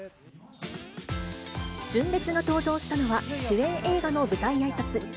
純烈が登場したのは、主演映画の舞台あいさつ。